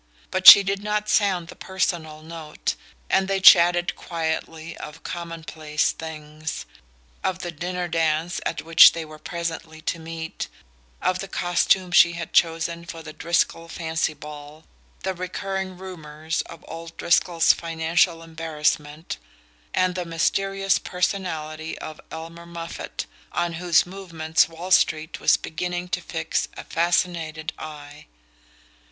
But she did not sound the personal note, and they chatted quietly of commonplace things: of the dinner dance at which they were presently to meet, of the costume she had chosen for the Driscoll fancy ball, the recurring rumours of old Driscoll's financial embarrassment, and the mysterious personality of Elmer Moffatt, on whose movements Wall Street was beginning to fix a fascinated eye.